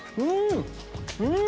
うん！